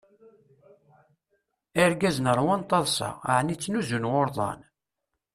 Irgazen ṛwan taḍsa. ɛni ttnuzun wurḍan?